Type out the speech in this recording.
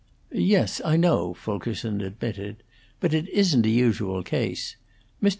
"Yes, I know," Fulkerson admitted. "But it isn't a usual case. Mr.